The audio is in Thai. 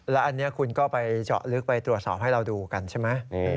แล้วอันนี้คุณก็ไปเจาะลึกไปตรวจสอบให้เราดูกันใช่ไหม